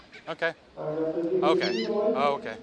Ddaru o dy ddilyn di ddoe?